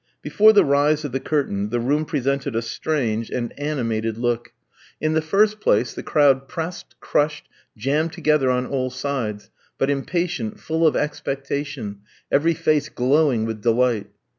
Before the rise of the curtain, the room presented a strange and animated look. In the first place, the crowd pressed, crushed, jammed together on all sides, but impatient, full of expectation, every face glowing with delight.